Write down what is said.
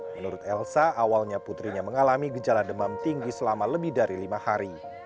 menurut elsa awalnya putrinya mengalami gejala demam tinggi selama lebih dari lima hari